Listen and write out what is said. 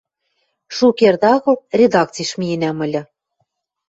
Шукердӹ агыл редакциш миэнӓм ыльы.